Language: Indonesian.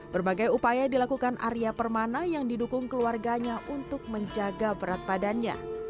berbagai upaya dilakukan arya permana yang didukung keluarganya untuk menjaga berat badannya